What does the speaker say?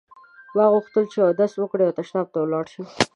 ما غوښتل چې اودس وکړم او تشناب ته لاړ شم.